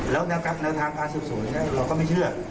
แล้วในทางการสูบเราก็ไม่เชื่อ